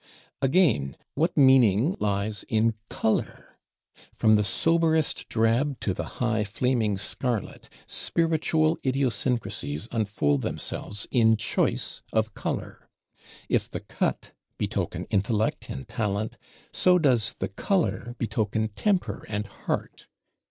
Again, what meaning lies in Color! From the soberest drab to the high flaming scarlet, spiritual idiosyncrasies unfold themselves in choice of color: if the cut betoken Intellect and Talent, so does the Color betoken Temper and Heart.